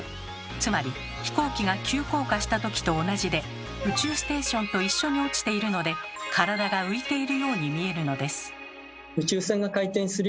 つまり飛行機が急降下した時と同じで宇宙ステーションと一緒に落ちているので体が浮いているように見えるのです。